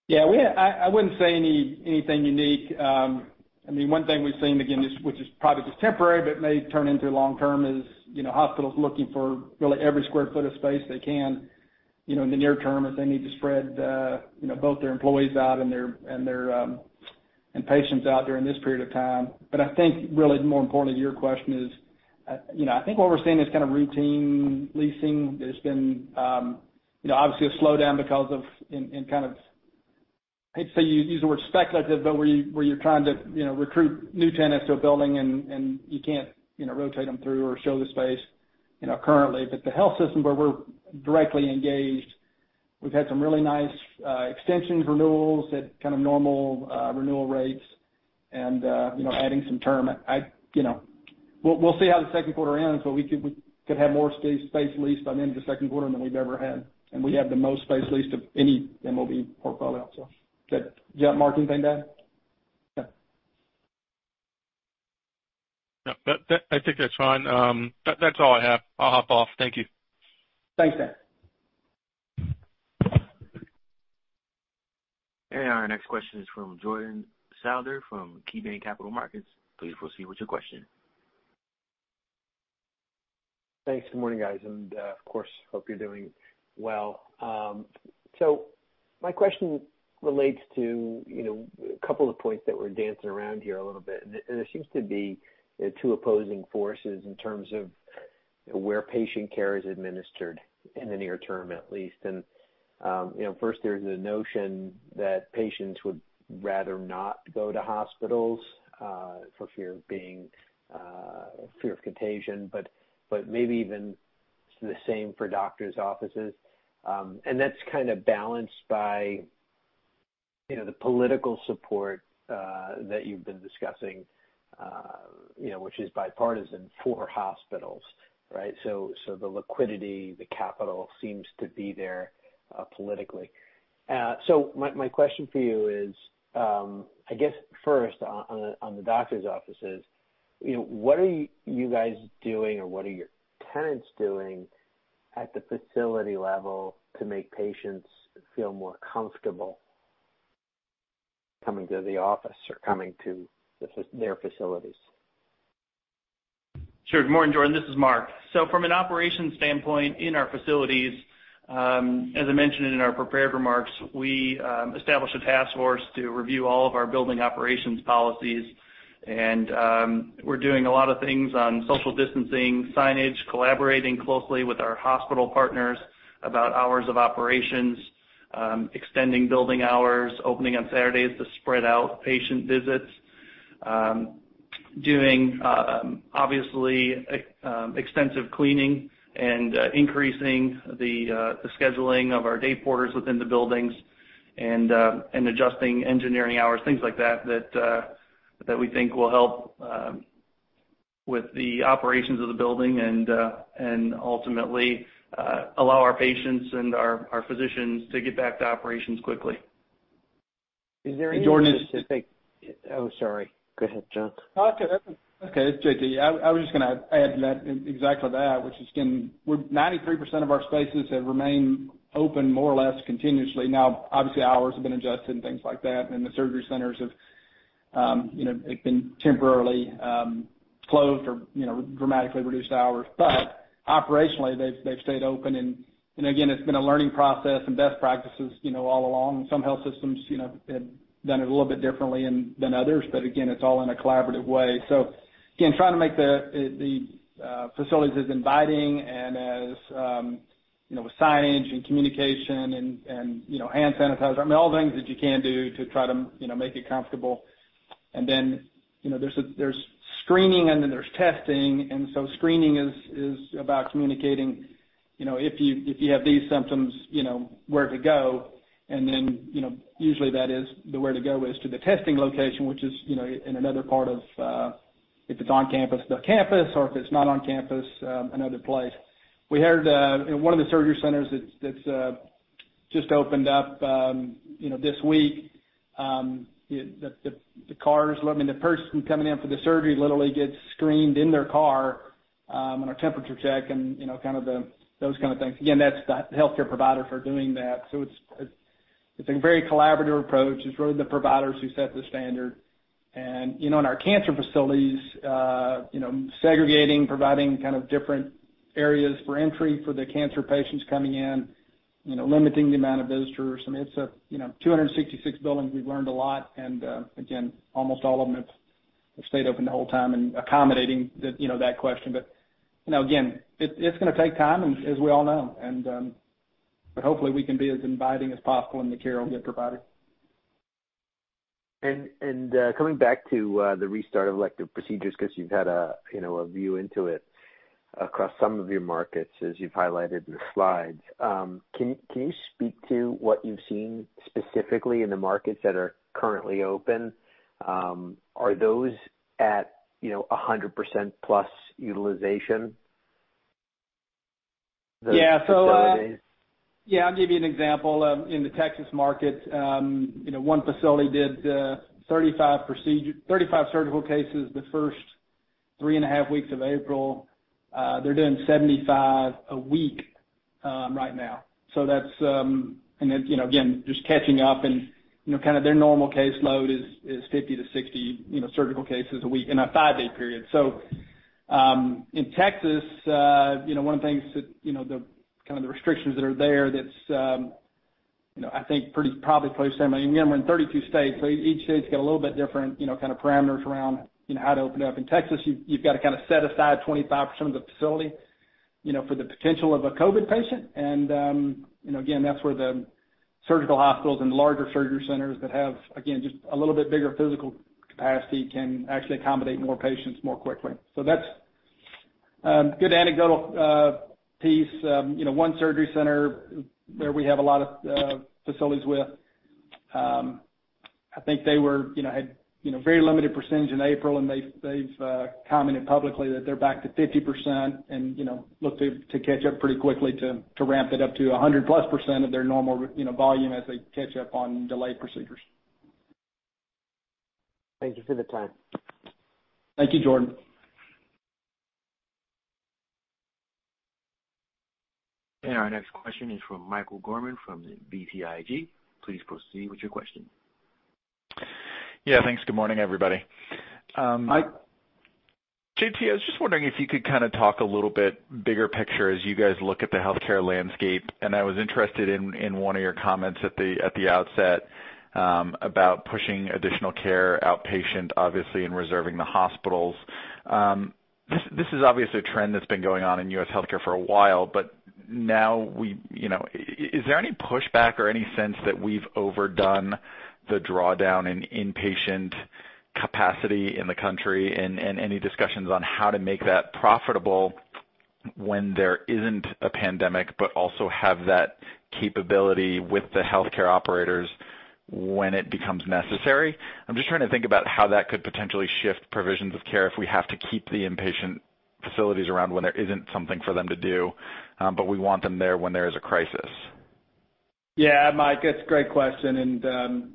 Yeah. I wouldn't say anything unique. One thing we've seen, again, which is probably just temporary, but may turn into long-term is hospitals looking for really every square foot of space they can in the near term as they need to spread both their employees out and patients out during this period of time. I think really more importantly to your question is, I think what we're seeing is kind of routine leasing. There's been obviously a slowdown because of in kind of, I'd say, use the word speculative, but where you're trying to recruit new tenants to a building and you can't rotate them through or show the space currently. The health system where we're directly engaged, we've had some really nice extensions, renewals at kind of normal renewal rates and adding some term. We'll see how the second quarter ends, but we could have more space leased by the end of the second quarter than we've ever had, and we have the most space leased of any MOB portfolio. Do you have anything to add, Mark? No. No. I think that's fine. That's all I have. I'll hop off. Thank you. Thanks, Daniel. Our next question is from Jordan Sadler from KeyBanc Capital Markets. Please proceed with your question. Thanks. Good morning, guys, and of course, hope you're doing well. My question relates to a couple of points that we're dancing around here a little bit, and there seems to be two opposing forces in terms of where patient care is administered in the near term at least. First, there's the notion that patients would rather not go to hospitals for fear of contagion, but maybe even the same for doctor's offices. That's kind of balanced by the political support that you've been discussing, which is bipartisan for hospitals, right? The liquidity, the capital seems to be there politically. My question for you is, I guess first on the doctor's offices, what are you guys doing or what are your tenants doing at the facility level to make patients feel more comfortable coming to the office or coming to their facilities? Sure. Good morning, Jordan. This is Mark. From an operations standpoint in our facilities, as I mentioned in our prepared remarks, we established a task force to review all of our building operations policies. We're doing a lot of things on social distancing, signage, collaborating closely with our hospital partners about hours of operations, extending building hours, opening on Saturdays to spread out patient visits. Doing, obviously, extensive cleaning and increasing the scheduling of our day porters within the buildings and adjusting engineering hours, things like that we think will help with the operations of the building and ultimately allow our patients and our physicians to get back to operations quickly. Is there any specific. Jordan. Oh, sorry. Go ahead, John. No, that's okay. It's John Thomas. I was just going to add to that, exactly that, which is, again, 93% of our spaces have remained open more or less continuously now. Obviously, hours have been adjusted and things like that, and the surgery centers have been temporarily closed or dramatically reduced hours. Operationally, they've stayed open and again, it's been a learning process and best practices all along. Some health systems have done it a little bit differently than others, but again, it's all in a collaborative way. Again, trying to make the facilities as inviting and with signage and communication and hand sanitizer, all things that you can do to try to make it comfortable. There's screening and then there's testing. Screening is about communicating, if you have these symptoms, where to go. Usually where to go is to the testing location, which is in another part of, if it's on campus, the campus or if it's not on campus, another place. We heard in one of the surgery centers that's just opened up this week, the person coming in for the surgery literally gets screened in their car, and a temperature check and those kind of things. Again, that's the healthcare provider for doing that. It's been a very collaborative approach. It's really the providers who set the standard. In our cancer facilities, segregating, providing kind of different areas for entry for the cancer patients coming in, limiting the amount of visitors. I mean, it's 266 buildings. We've learned a lot and, again, almost all of them have stayed open the whole time and accommodating that question. Again, it's going to take time, as we all know. Hopefully we can be as inviting as possible and the care will get provided. Coming back to the restart of elective procedures, because you've had a view into it across some of your markets as you've highlighted in the slides. Can you speak to what you've seen specifically in the markets that are currently open? Are those at 100%+ utilization, the facilities? Yeah. I'll give you an example. In the Texas market, one facility did 35 surgical cases the first three and a half weeks of April. They're doing 75 a week right now. Again, just catching up and their normal caseload is 50-60 surgical cases a week in a five-day period. In Texas, one of the things, the kind of the restrictions that are there that's I think probably similar. Again, we're in 32 states, each state's got a little bit different kind of parameters around how to open up. In Texas, you've got to kind of set aside 25% of the facility for the potential of a COVID patient. Again, that's where the surgical hospitals and larger surgery centers that have, again, just a little bit bigger physical capacity can actually accommodate more patients more quickly. That's a good anecdotal piece. One surgery center where we have a lot of facilities with, I think they had very limited percentage in April, and they've commented publicly that they're back to 50% and look to catch up pretty quickly to ramp it up to 100%+ of their normal volume as they catch up on delayed procedures. Thank you for the time. Thank you, Jordan. Our next question is from Michael Gorman from the BTIG. Please proceed with your question. Yeah, thanks. Good morning, everybody. Michael. John Thomas, I was just wondering if you could kind of talk a little bit bigger picture as you guys look at the healthcare landscape. I was interested in one of your comments at the outset, about pushing additional care outpatient, obviously, and reserving the hospitals. This is obviously a trend that's been going on in U.S. healthcare for a while, but now, is there any pushback or any sense that we've overdone the drawdown in inpatient capacity in the country? Any discussions on how to make that profitable when there isn't a pandemic, but also have that capability with the healthcare operators when it becomes necessary. I'm just trying to think about how that could potentially shift provisions of care if we have to keep the inpatient facilities around when there isn't something for them to do, but we want them there when there is a crisis. Yeah, Michael, that's a great question.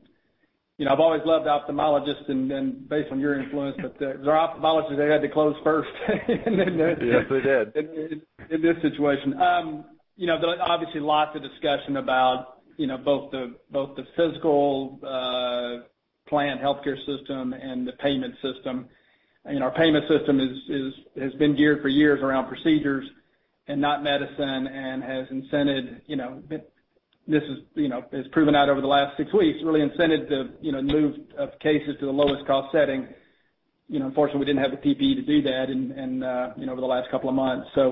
I've always loved ophthalmologists and based on your influence, but they're ophthalmologists, they had to close first. Yes, they did. In this situation. Obviously, lots of discussion about both the physical plan healthcare system and the payment system. Our payment system has been geared for years around procedures and not medicine and has incented, this has proven out over the last six weeks, really incented the move of cases to the lowest cost setting. Unfortunately, we didn't have the PPE to do that over the last couple of months. I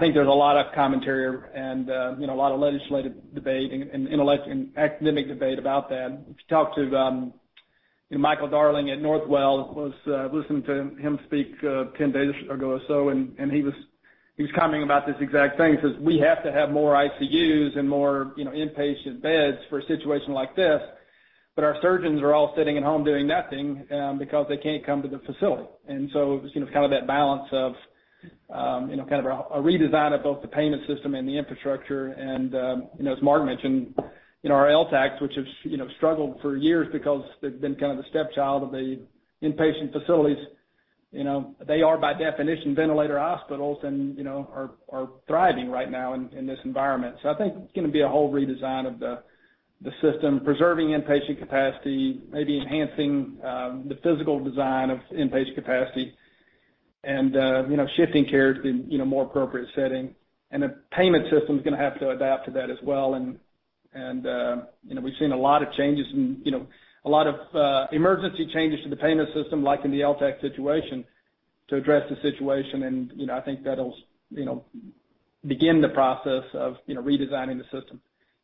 think there's a lot of commentary and a lot of legislative debate and academic debate about that. If you talk to Michael Dowling at Northwell, listened to him speak 10 days ago or so, and he was commenting about this exact thing, says, "We have to have more ICUs and more inpatient beds for a situation like this, but our surgeons are all sitting at home doing nothing, because they can't come to the facility." It was kind of that balance of a redesign of both the payment system and the infrastructure. As Mark mentioned, our LTACs, which have struggled for years because they've been kind of the stepchild of the inpatient facilities. They are by definition ventilator hospitals and are thriving right now in this environment. I think it's going to be a whole redesign of the system, preserving inpatient capacity, maybe enhancing the physical design of inpatient capacity and shifting care to more appropriate setting. The payment system's going to have to adapt to that as well. We've seen a lot of emergency changes to the payment system, like in the LTAC situation, to address the situation. I think that'll begin the process of redesigning the system.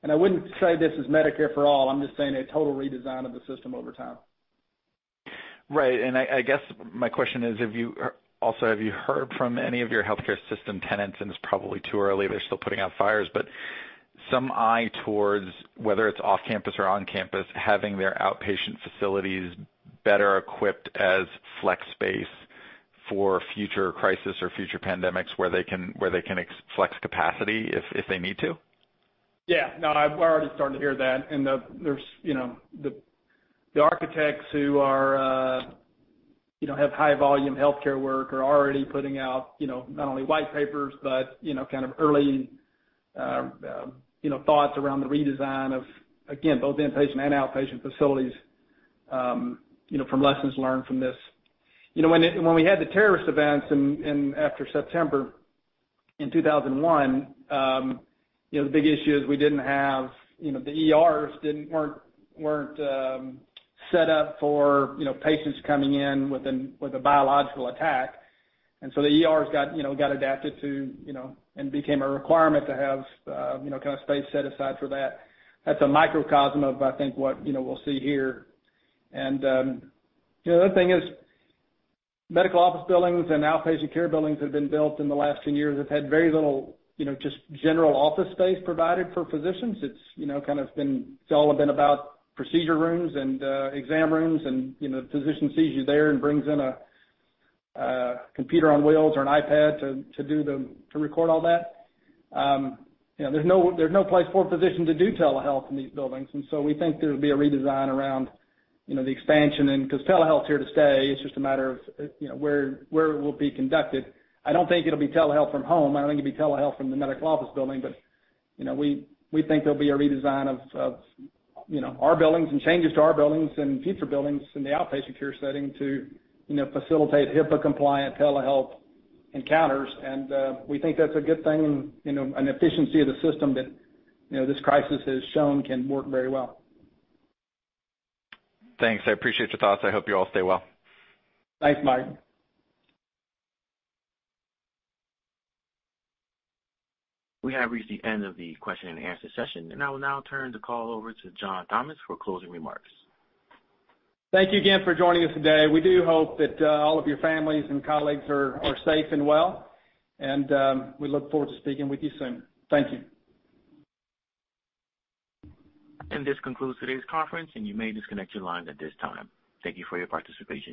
I wouldn't say this is Medicare for all, I'm just saying a total redesign of the system over time. Right. I guess my question is, also, have you heard from any of your healthcare system tenants, and it's probably too early, they're still putting out fires, but some eye towards whether it's off-campus or on-campus, having their outpatient facilities better equipped as flex space for future crisis or future pandemics where they can flex capacity if they need to? Yeah, no, we're already starting to hear that. The architects who have high volume healthcare work are already putting out, not only white papers, but kind of early thoughts around the redesign of, again, both inpatient and outpatient facilities, from lessons learned from this. When we had the terrorist events after September in 2001, the big issue is we didn't have the ERs weren't set up for patients coming in with a biological attack. So the ERs got adapted to and became a requirement to have kind of space set aside for that. That's a microcosm of, I think, what we'll see here. The other thing is medical office buildings and outpatient care buildings that have been built in the last 10 years have had very little, just general office space provided for physicians. It's all been about procedure rooms and exam rooms. Physician sees you there and brings in a computer on wheels or an iPad to record all that. There's no place for a physician to do telehealth in these buildings. We think there'll be a redesign around the expansion and because telehealth's here to stay, it's just a matter of where it will be conducted. I don't think it'll be telehealth from home. I don't think it'll be telehealth from the medical office building. We think there'll be a redesign of our buildings and changes to our buildings and future buildings in the outpatient care setting to facilitate HIPAA compliant telehealth encounters. We think that's a good thing and an efficiency of the system that this crisis has shown can work very well. Thanks. I appreciate your thoughts. I hope you all stay well. Thanks, Michael. We have reached the end of the question and answer session, and I will now turn the call over to John Thomas for closing remarks. Thank you again for joining us today. We do hope that all of your families and colleagues are safe and well. We look forward to speaking with you soon. Thank you. This concludes today's conference, and you may disconnect your lines at this time. Thank you for your participation.